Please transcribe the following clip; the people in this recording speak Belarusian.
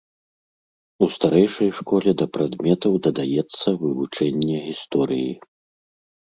У старэйшай школе да прадметаў дадаецца вывучэнне гісторыі.